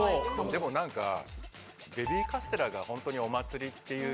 でもなんかベビーカステラがホントにお祭りっていう。